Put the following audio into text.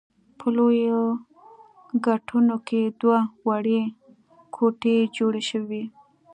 په لویو ګټونو کې دوه وړې کوټې جوړې شوې وې.